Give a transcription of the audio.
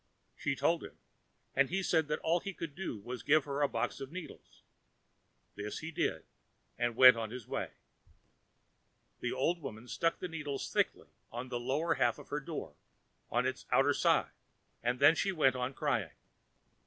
She told him, and he said that all he could do for her was to give her a box of needles. This he did, and went on his way. The old woman stuck the needles thickly over the lower half of her door, on its outer side, and then she went on crying.